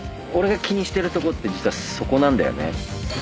「俺が気にしてるとこって実はそこなんだよね」